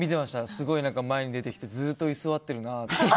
すごい前に出てきてずっと居座っているなって。